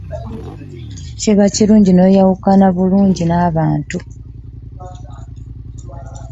Kiba kirunji n'oyamwukana bulunji n'abantu .